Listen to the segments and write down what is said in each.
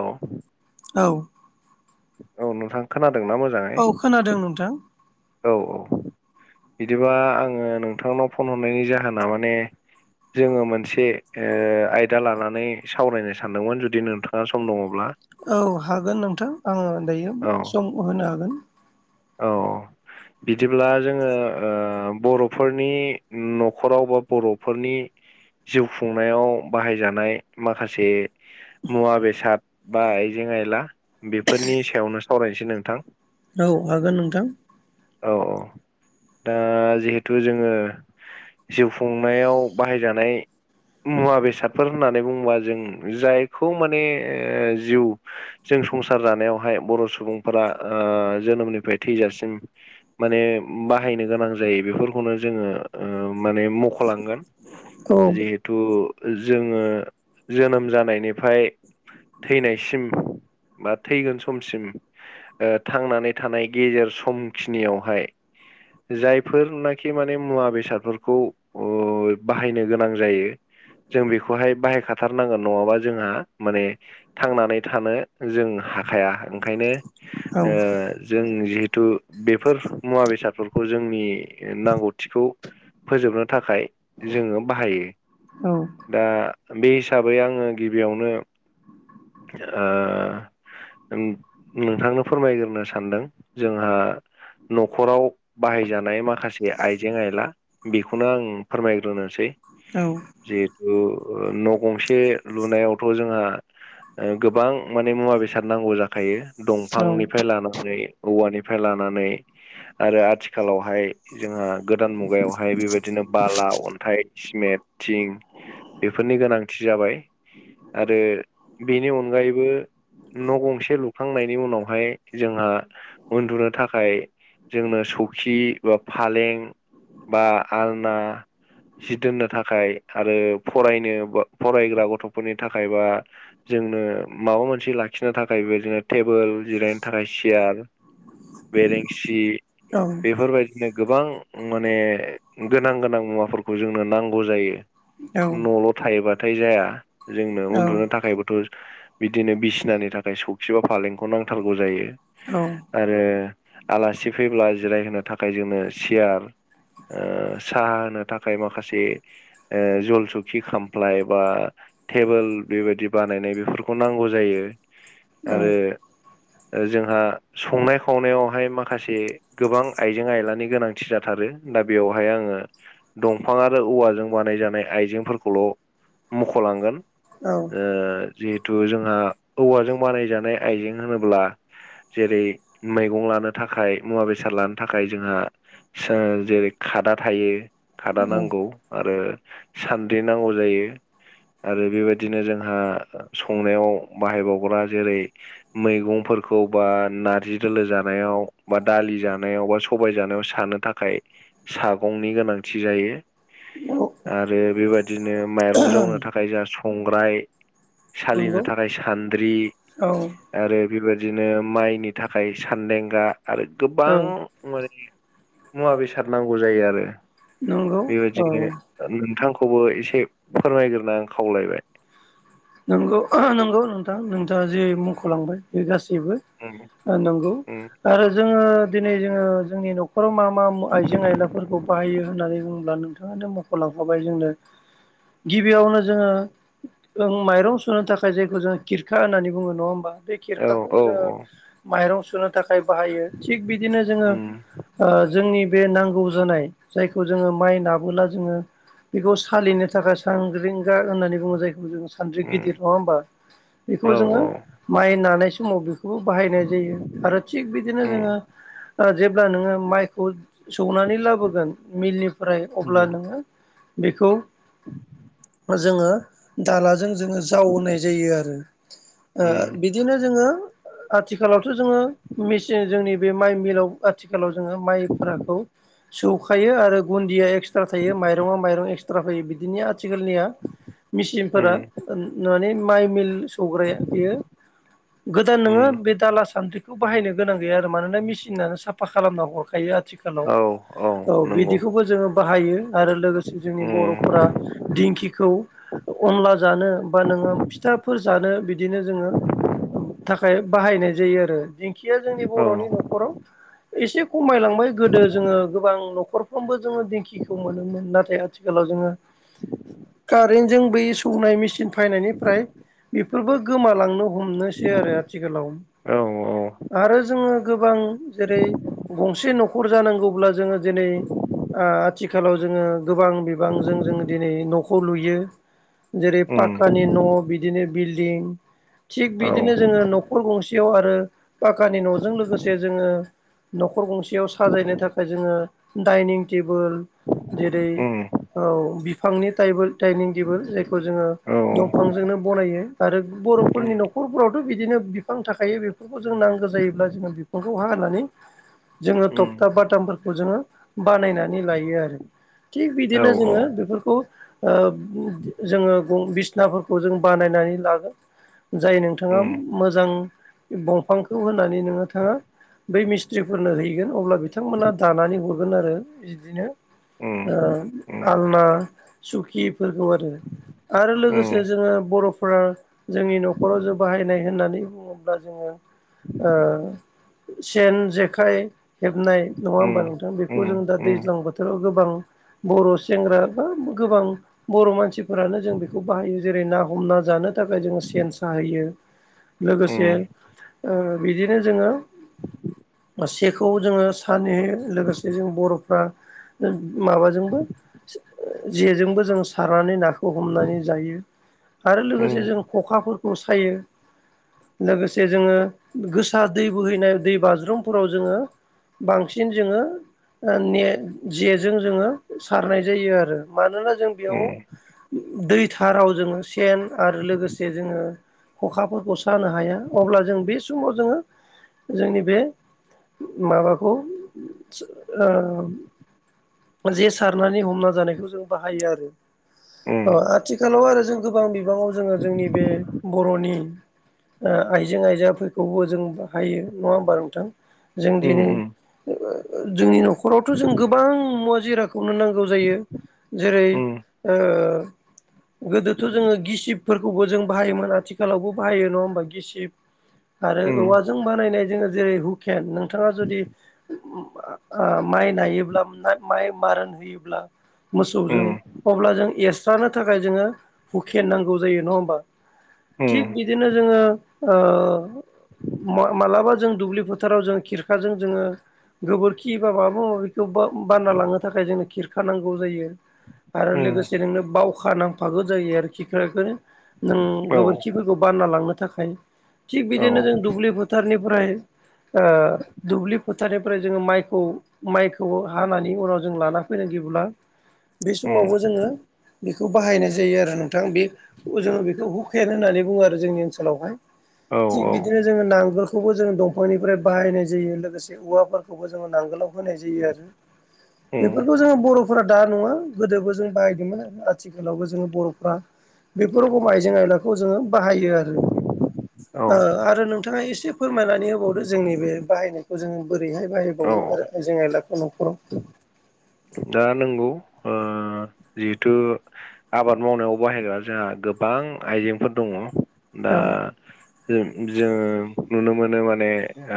औ औ औ नोंथां खोनादोंना मो औ खोनादों नोंथां औ औ बिदिबा आङो नोंथांनाव फन हरनायनि जाहोना माने जोङो मोनसे ओ आयदा लानानै सावरायनो सानदोंमोन जुदि नोंथाङा सम दङब्ला औ हागोन नोंथां आङो दायो औ सम होनो हागोन औ बिदिब्ला जोङो ओ बर'फोरनि नखराव बा बर'फोरनि जिउ खुंनायाव बाहायजानाय माखासे मुवा बेसाद बा आइजें आइला बेफोरनि सायावनो सावरायनोसै नोंथां औ हागोन नोंथां औ औ दा जिहेथु जोङो जिउ खुंनायाव बाहायजानाय मुवा बेसादफोर होननानै बुङोबा जों जायखौ माने जिउ जों संसार जानायावहाय बर' सुबुंफोरा जोनोमनिफ्राय थैजासिम माने बाहायनो गोनां जायो बेफोरखौनो जोङो माने मख'लांगोन औ जिहेथु जोङो जोनोम जानायनिफ्राय थैनायसिम बा थैगोन समसिम थांनानै थानाय गेजेर समखिनियावहाय जायफोरनाखि माने मुवा बेसादफोरखौ उ बाहायनो गोनां जायो जों बेखौहाय बाहायखाथारनांगोन नङाबा जोंहा माने थांनानै थानो जों हाखाया ओंखायनो औ जों जिहेथु बेफोर मुवा बेसादफोरखौ जोंनि नांगौथिखौ फोजोबनो थाखाय जोङो बाहायो। औ दा बे हिसाबै आङो गिबियावनो ओ नोंथांनो फोरमायग्रोनो सानदों जोंहा न'खराव बाहायजानाय माखासे आइजें आइला बेखौनो आं फोरमायग्रोनोसै। औ जिहेथु न' गंसे लुनायावथ' जोंहा गोबां माने मुवा बेसाद नांगौ जाखायो औ दंफांनिफ्राय लानानै औवानिफ्राय लानानै आरो आथिखालावहाय जोंहा गोदान मुगायावहाय बेबायदिनो बाला अन्थाइ सिमेटिं बेफोरनि गोनांथि जाबाय आरो बेनि अनगायैबो न' गंसे लुख्लांनायनि उनावहाय जोंहा उन्दुर थाखाय जोंनो सौखि बा फालें बा आलना जि दोननो थाखाय आरो फरायनो फरायग्रा गथ'फोरनि थाखाय बा जोंनो माबा मोनसे लाखिनो थाखाय बे जदिनो टेबोल जिरायनो थाखाय सियार बेेरिंसि औ। बेफोरबायदिनो गोबां माने गोनां गोनां मुवाफोरखौ जोंनो नांगौ जायो। न'ल' थायोबाथाय जाया जोंनो उन्दुनो थाखायबोथ' बिदिनो बिसिनानि थाखाय सौखिबा फालेंखौ नांथारगौ जायो आरो आलासि फैब्ला जिरायहोनो थाखाय जोंनो सियार साहा होनो थाखाय माखासे जलसुखि खामफ्लाय बा टेबोल बेबायदि बानायनाय बेफोरखौ नांगौ जायो। आरो जोंहा संनाय खावनायावहाय माखासे गोबां आइजें आयलानि गोनांथि जाथारो दा बेवहाय आङो दंफां आरो औवाजों बानायजानाय आइजेंफोरखौल' मुख'लांगोन। औ। जिहेथु जोंहा औवाजों बानायजानाय आइजें होनोब्ला जेरै मैगं लानो थाखाय मुवा बेसाद लानो थाखाय जोंहा जेरै खादा थायो खादा नांगौ आरो सान्द्रि नांगौ जायो। आरो बेबायदिनो जोंहा संनायाव बाहायबावग्रा जेरै मैगंफोरखौ बा नार्जि दोलो जानायाव बा दालि जानायाव बा सबाय जानायाव सानो थाखाय सागंनि गोनांथि जायो औ आरो बेबायादि बिदिनो माइरं औ जावनो थाखाय जोंहा संग्राय नंगौ सालिनो थाखाय सान्द्रि औ आरो बेबायादिनो माइनि थाखाय सानदेंगा आरो औ गोबां माने मुवा बेसाद नांगौ जायो आरो नंगौ औ बेबायदिनो नोंथांखौबो एसे फोरमायग्रोनो आं खावलायबाय। नोंगौ नंगौ नोंथां नोंथाङा जे मुंख'लांबाय बे गासैबो ओम। नंगौ आरो जोङो दिनै जोङो जोंनि न'खराव मा मा आइजें आयलाफोरखौ बाहायो होन्नानै बुङोब्ला नोंथ थांङानो मख'लांफाबाय जोंनो गिबियावनो जोङो जों माइरं सुनो थाखाय जायखौ जोंङ खिरखा होननानै बुङो नङा होमबा बे औ खिरखाखौ औ जोङो औ माइरं सुनो थाखाय बाहायो थिग बिदिनो जोङो उम ओ जोंनि बे नांगौ जानाय जायखौ जोङो माइ नाबोला जोङो बेखौ सालिनो थाखाय सांग्रिंगा होननानै बुङो जायखौ जों सान्द्रि उम गिदिर नङा होमबा औ बेखौ जोङो माइ नानाय समाव बेखौ खौबो बाहायनाय जायो आरो थिग बिदिनो उम जोङो ओ जेब्ला नोङो माइखौ सौनानै लाबोगोन मिलनिफ्राय अब्ला उम नोङो बेखौ जोङो दाला जोङो जाव होनाय जायो आरो ओ उम बिदिनो जोङो आथिखालावथ' जोङो मेचिन जोंनि बे माइ मिलाव आथिखालाव जोङो माइफोराखौ सौखायो आरो गुन्दिया एकस्रा क्सट्रा थायो माइरङा माइरं एक्सट्रा फैयो बिदिनो आथिखालनिया मेसिनफोरा उम ओन माने माइ मिल सौग्राया बेयो गोदान नोङा उम बे दाला सान्थ्रि बेखौ बाहायनो गोनां गैया आरो मानोना मेचिनानो साफा खालामना हरखायो आथिखाल औ बिदिखौबो जोङो बाहायो आरो लोगोसे जोंनि उम बर'फोरा दिंखिखौ अनला नो बा नोङो फिथाफोर जानो बिदिनो जोङो थाखाय बाहायनाय जायोआरो दिंखिया जोंनि औ बर'नि न'खराव एसे खमायलांबाय गोदो जोङो गोबां न'खरफ्रामबो जोङो दिंखि बिखौ मोनोमोन नाथाय आथिखालाव जोङो खारेन्टजों बै थौनाय मेचिन फायनायनिफ्राय बेफोरबो गोमालांनो हम हमनोसै आरो आथिखालाव औ आरो जोङो गोबां जेरै गंसे न'खर जानांगौब्ला जोङो दिनै ओ आथिखालाव जोङो गोबां बिबांजों जोङो दिनै न'खौ लुयो। जेरै उम पाक्कानि न' बिदिनो बिल्डिं थिग औ बिदिनो जोङो न'खर नखर गंसेयाव आरो पाखानि न'जों लोगोसे जोङो न'खर गंसेयाव साजायनो थाखाय जोङो दाइनिं टेबोल जेरै उम औ बिफांनि टायबोल दाइनिं टेबोल जाय खौ जोङो औ दंफांजोंनो बनायो आरो उम बर'फोरनि न'खरफोरावथ' बिदिनो बिफां थाखायो बेफोरखौ जों नांगौ जायोब्ला जोंना बिफांखौ हानानै जोङो उम थखथाब बाटामफोरखौ जोङो बानायनानै लायोआरो। थिग औ बिदिनो जोङो बेफोरखौ ओ जोङो ब बिसनाफोरखौ जों बानायनानै लागोन। जाय नोंथाङा उम मोजां दंफांखौ होनानै नोङो थाङा बै मिस्ट्रिफोरनो हैगोन अब्ला बिथांमोना दानानै हरगोन आरो बिदिनो ओ उम उम आलना सुखिफोरखौआरो। आरो उम लोगोसे जोङो बर'फोरा जोंनि न'खराव जों बाहायनाय होननानै बुङोब्ला जोङो ओ सेन जेखाइ हेबनाय नङा होमबा उम नोंथां बेखौ उम जों दा उम दैज्लां बोथोराव गोबां बर' सेंग्रा बा गोबां बर' मानसि फोरानो जों बेखौ बाहायो जेरै ना हमना जानो थाखाय जोङो सेन साहैयो उम लोगोसे बिदिनो जोङो सेखौ जोङो सानै लोगोसे जों बर'फ्रा माबाजोंबो जेजोंबो जों सारनानै नाखौ हमनानै जायो आरो उम लोगोसे जों खखाफोरखौ सायो लोगोसे जोङो गोसा दै बोहैनाय दै बाज्रुमफोराव जोङो बांसिन जोङो नेट जेजों जोङो सारनाय जायो आरो मानोना जों बेयाव [unintelligible] दैथाराव जोङो सेन आरो लोगोसे जोङो, अखाफोरखौसो हाया अब्ला जों बे समाव जोङो जोंनि बे माबाखौ ओ जे सारनानै हमना जानायखौ जों बाहायो आरो औ आथिखालाव आरो जों गोबां बिबाङाव जोङो जोंनि बे बर'नि आइजें आइजाफोरखौबो जों बाहायो नङा होमबा नोंथां जों उम दिनै जोंनि न'खरावथ' जों गोबां मुवा जिरादखौनो नांगौ जायो। जेरै उम ओ गोदोथ' जोङो गिसिबफोरखौबो जों बाहायोमोन आथिखालावबो बाहायो नङा होमबा गिसिब, आरो औवाजों बानायनाय जोङो जेरै हुकेन नोंथाङा जुदि, ओ माइ नायोब्ला ना माइ मारोन होयोब्ला, मोसौजों अब्ला जों एस्रानो थाखाय जोङो हुखेन नांगौ जायो नङा होमबा, थिग उम बिदिनो जोङो। मालाबा जों दुब्लि फोथाराव जों खिरखाजों जोङो, गोबोरखि बा माबा माबािखौ बानना लांनो थाखाय जोंनो खिरखा नांगौ जायो। आरो उम लोगोसे नोंनो, बावखा नांफागौ जायो आरोखि बेखौनो नों औ गोबोरखिफोरखौ बानना लांनो थाखाय, थिग औ बिदिनो जों दुब्लि फोथारनिफ्राय, ओ दुब्लि फोथारनिफ्राय जोङो माइखौ, माइखौबो हानानै उनाव जों लाना फैन नागिरब्ला बे उम समावबो जोङो, बेखौ बाहायनाय जायो आरो नोंथां बे, जोङो बेखौ हुखेन होननानै बुङो आरो जोंनि ओनसोलावहाय, औ थिग बिदिनो जोङो नांगोलखौबो जोङो दंफांनिफ्राय बाहायनाय जायो लोगोसे, औवाफोरखौबो जोङो नांगोलाव होनाय जायो आरो उम बेफोरखौ जोङो बर'फोरा दा नङा गोदोबो जों बाहायदोंमोन, आथिखालावबो जोङो बर'फ्रा बेफोर रोखोम आइजें आयलाखौ जोङो बाहायो आरो औ आरो नोंथाङा एसे फोरमायनानै होबावदो जोंनि बे बाहायनायखौ जोङो बोरैहाय औ बाहायबावो आरो आइजें आइला न'खराव दा नंगौ ओ जिहेथु आबाद मावनायाव बाहायग्रा जोंहा गोबां आइजेंफोर दङ दा जों नुनो मोनो माने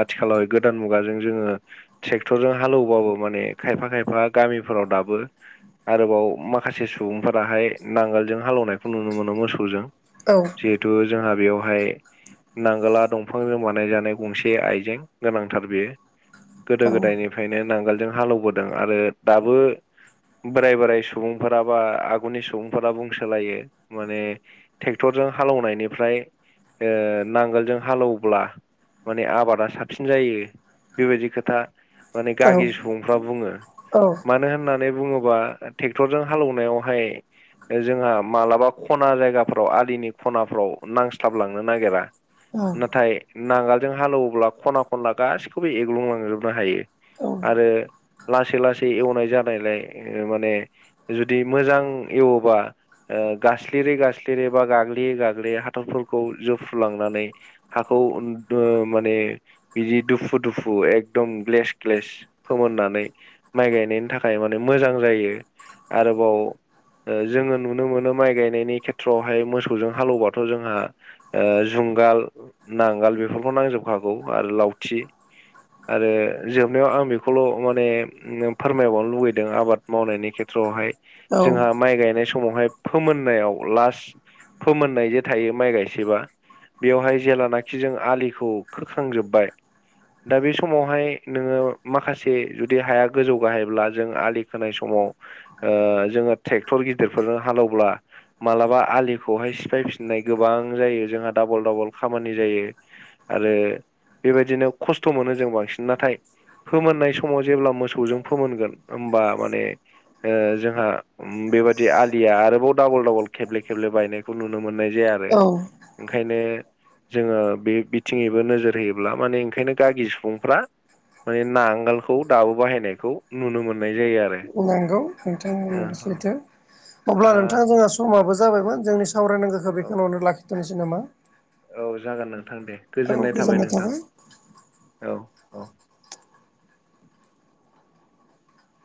आथिखालाव गोदान मुगाजों जोङो, ट्रेक्टरजों हालेवबाबो माने खायफा खायफा गामिफोराव दाबो आरोबाव माखासे सुबुंफोराहाय नांगोलजों हालेवनायखौ नुनो मोनो मोसौजों औ जिहेथु जोंहा बेयावहाय नांगोला दंफांजों बानाय जानाय गंसे आइजें गोनांथार बेयो, गोदो औ गोदायनिफ्रायनो नांगोलजों हालेवबोदों आरो दाबो, बोराय बोराय सुबुंफोरा बा आगुनि सुबुंफोरा बुंसोलायो माने ट्रेक्टरजों हालेवनायनिफ्राय ओ नांगोलजों हालौब्ला माने आबादा साबसिन जायो बेबायदि खोथा माने गागि सुबुंफ्रा बुंङो, औ मानो होननानै बुंङोबा ट्रेक्टरजों हालेवनायावहाय, जोंहा मालाबा खना जायगाफ्राव आलिनि खनाफ्राव नांस्लाबलांनो नागिरा नाथाय नांगोलजों हालौवोब्ला खना खनला गासिखौबो एग्लुंलांजोबनो हायो। औ आरो लासै लासै एवनाय जानायलाय माने जुदि मोजां एवोबा गासलिरै गासलिरै बा गाग्लियै गाग्लियै हाथरफोरखौ जोफ्रुलांनानै हाखौ माने बिदि दुफु दुफु एकदम ग्लेस ग्लेस फोमोननानै माइ गायनायनि थाखाय माने मोजां जायो आरोबाव जोंङो नुनो मोनो माइ गायनायनि खेथ्रआवहाय मोसौजों हालेवबाथ' जोंहा जुंगाल नांगाल बेफोरखौ नांजोबखागौ आरो लावथि। आरो जोबनायाव आं बेखौल' माने फोरमायबावनो लुुबैदों आबाद मावनायनि खेथ्रआवहाय औ जोंहा माइ गायनाय सम समावहाय फोमोननायाव लास्ट फोमोननाय जे थायो माइ गायसबा बेवहाय जेेलानाखि जों आलिखौ खोरखांजोब्बाय दा बे समावहाय नोंङो माखासे जुदि हाया गोजौ गाहायब्ला जों आलि खोनाय समाव ओ जोंङो ट्रेक्टर गिदिरफोरजों हालेवब्ला मालाबा आलिखौहाय सिफायफिननाय गोबां जायो जोंहा डाबल डाबल खामानि जायो। आरो बेबायदिनो खस्थ' मोनो जों बांसिन नाथाय फोमोननाय समाव जेब्ला मोसौ मौजों फोमोनगोन होमबा माने जोंहा बेबायादि आलिया आरोबाव डाबल डाबल खेब्ले खेब्ले बायनायखौ नुनो मोननाय जाया आरो। औ ओंखायनो जोंङो बे बिथिङैबो नोजोर होयोब्ला माने ओंखायनो गागि सुबुंफ्रा माने नांगोलखौ दाबो बाहायनायखौ नुनो मोननाय जायो आरो। बुंनांगौ नोंथांनि ओ जिथो अब्ला नोंथां दा जोंहा समाबो जाबायमोन जोंनि सम सावरायनांगौखौ औ बेखौ नुनो लाखिथोंनोसै नामा? औ जागोन नोंथां दे गोजोननाय थाबाय नोंथां औ। औ